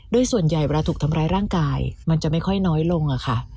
โดยส่วนใหญ่เวลาถูกทำร้ายร่างกายมันจะไม่ค่อยน้อยลงอะค่ะ